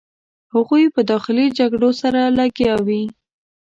هغوی په داخلي جګړو سره لګیا وې.